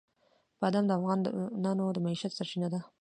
بادام د افغانانو د معیشت سرچینه ده.